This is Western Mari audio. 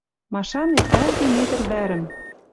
Машанет, каждый метр вӓрӹм